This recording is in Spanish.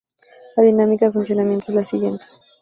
La dinámica de funcionamiento es la siguiente.